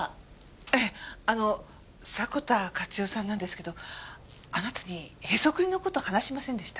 ええあの迫田勝代さんなんですけどあなたにへそくりの事話しませんでした？